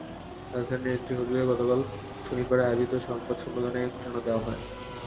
রাজধানীর একটি হোটেলে গতকাল শনিবার আয়োজিত সংবাদ সম্মেলনে এ ঘোষণা দেওয়া হয়।